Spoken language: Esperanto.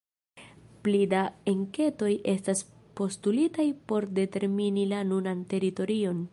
Pli da enketoj estas postulitaj por determini la nunan teritorion.